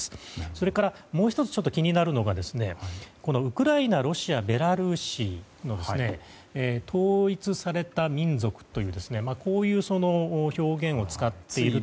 それから、もう１つ気になるのがウクライナ、ロシアベラルーシの統一された民族という表現を使っていて。